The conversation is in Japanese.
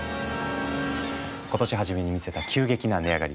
今年初めに見せた急激な値上がり。